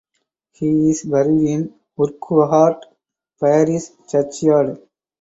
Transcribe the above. He is buried in Urquhart parish churchyard.